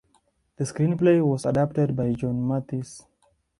The screenplay was adapted by June Mathis.